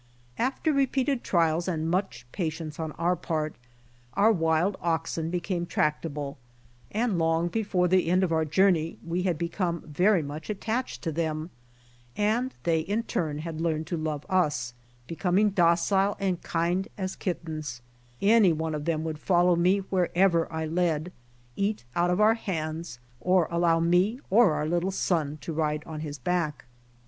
After repeated trials and much patience on our part, our wild oxen became tractable, and long before the end of our journey we had become very much at tached to them, and they in turn had learned to lovo us, becoming docile and kind as kittens, any one of them would follow me wherever I led, eat out of our hands, or allow me or our little son to ride on his back.